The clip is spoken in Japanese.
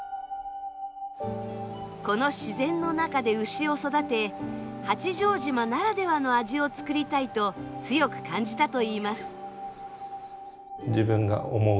この自然の中で牛を育て八丈島ならではの味を作りたいと強く感じたといいます。